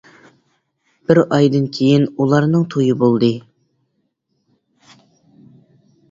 بىر ئايدىن كېيىن ئۇلارنىڭ تويى بولدى.